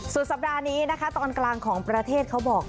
สุดสัปดาห์นี้นะคะตอนกลางของประเทศเขาบอก